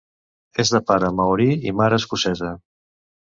És de pare maori i mare escocesa.